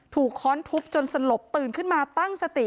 ค้อนทุบจนสลบตื่นขึ้นมาตั้งสติ